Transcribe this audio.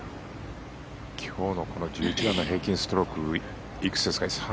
今日の１１番の平均ストロークいくつですか？